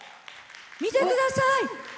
見てください。